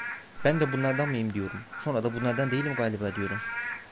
Ben de bunlardan mıyım, diyorum, sonra da bunlardan değilim galiba, diyorum.